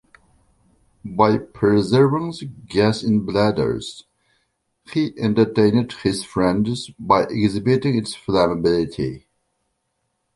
By preserving the gas in bladders, he entertained his friends, by exhibiting its flammability.